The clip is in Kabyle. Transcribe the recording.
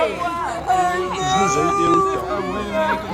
Yeznuzay iruka.